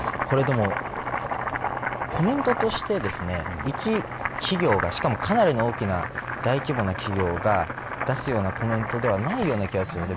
コメントとして一企業が、しかもかなり大きな大規模な企業が出すようなコメントではないような気がするんです。